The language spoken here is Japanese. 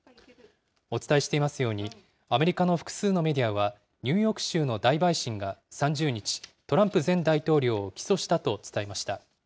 お伝えしていますように、アメリカの複数のメディアは、ニューヨーク州の大陪審が３０日、トランプ前大統領を起訴したと伝えました。